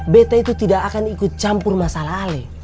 beta itu tidak akan ikut campur masalah ale